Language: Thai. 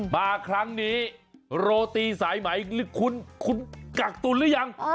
มาครั้งนี้โรตีสายไหมคุณกักตุลหรือยัง